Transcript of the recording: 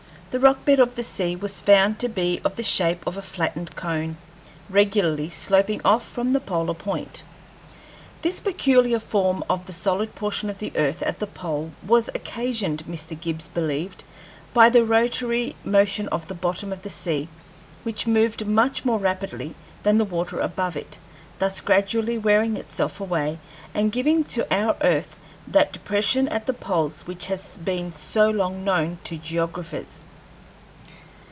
The rock bed of the sea was found to be of the shape of a flattened cone, regularly sloping off from the polar point. This peculiar form of the solid portion of the earth at the pole was occasioned, Mr. Gibbs believed, by the rotary motion of the bottom of the sea, which moved much more rapidly than the water above it, thus gradually wearing itself away, and giving to our earth that depression at the poles which has been so long known to geographers.